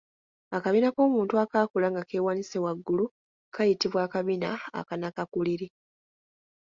Akabina k’omuntu akaakula nga keewanise waggulu kayitibwa akabina akanakakuliri.